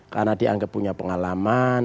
karena dianggap punya pengalaman